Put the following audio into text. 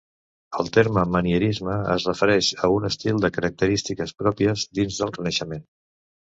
El terme manierisme es refereix a un estil de característiques pròpies dins del Renaixement.